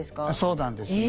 そうなんですね。